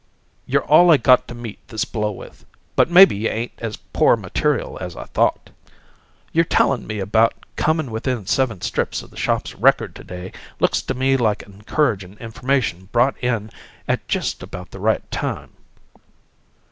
You're all I got to meet this blow with, but maybe you ain't as poor material as I thought. Your tellin' me about comin' within seven strips of the shop's record to day looks to me like encouragin' information brought in at just about the right time.